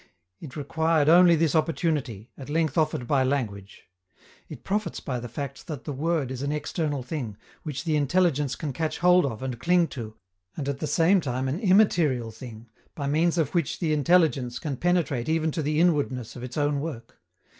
It required only this opportunity, at length offered by language. It profits by the fact that the word is an external thing, which the intelligence can catch hold of and cling to, and at the same time an immaterial thing, by means of which the intelligence can penetrate even to the inwardness of its own work.